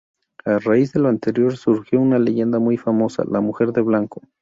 A raíz de lo anterior, surgió una leyenda muy famosa, La Mujer de Blanco.